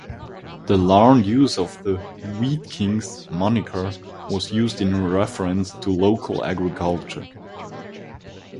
The Larned use of the "Wheat Kings" moniker was in reference to local agriculture.